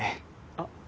あっ。